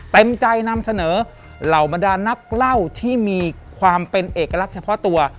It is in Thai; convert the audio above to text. เต็มใจนำเสนอเหล่าบรรดานักเล่าที่มีความเป็นเอกลักษณ์เฉพาะตัว